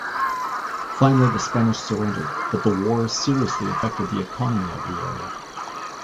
Finally the Spanish surrendered, but the war seriously affected the economy of the area.